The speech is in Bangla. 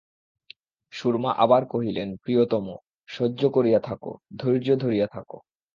সুরমা আবার কহিলেন, প্রিয়তম, সহ্য করিয়া থাকো, ধৈর্য ধরিয়া থাকো।